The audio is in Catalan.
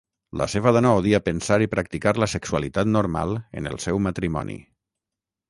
La seva dona odia pensar i practicar la sexualitat normal en el seu matrimoni.